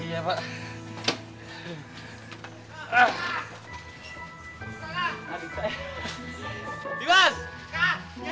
giniaga jauh bang